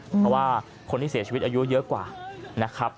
เพราะว่าคนที่เสียชีวิตอายุเยอะกว่านะครับ